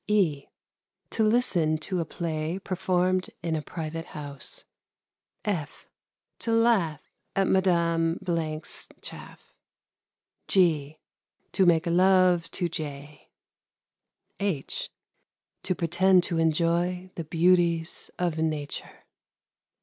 (e) To listen to a play performed in a private house. (f) To laugh at Madame 's chaff. (g) To make love to J . (h) To pretend to enjoy the beauties of nature.